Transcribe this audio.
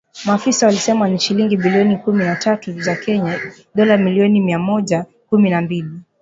Maafisa walisema ni shilingi bilioni kumi na tatu za Kenya (dola milioni mia moja kumi na mbili).